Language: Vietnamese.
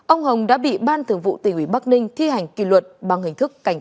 ông hồng đã bị ban thường vụ tỉnh ủy bắc ninh thi hành kỳ luật bằng hình thức cảnh cáo